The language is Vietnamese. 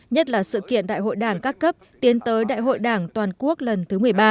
nhất là sự kiện đại hội đảng các cấp tiến tới đại hội đảng toàn quốc lần thứ một mươi ba